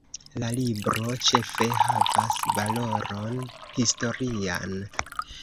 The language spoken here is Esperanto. La libro ĉefe havas valoron historian.